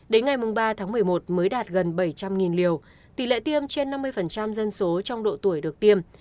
đến ngày ba tháng một mươi một mới đạt gần bảy trăm linh liều tỷ lệ tiêm trên năm mươi dân số trong độ tuổi được tiêm